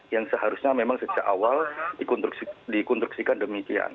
yang seharusnya memang sejak awal dikonstruksikan demikian